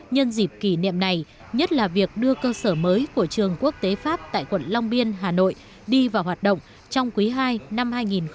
nhân dịp kỷ niệm này nhất là việc đưa cơ sở mới của trường quốc tế pháp tại quận long biên hà nội đi vào hoạt động trong quý ii năm hai nghìn hai mươi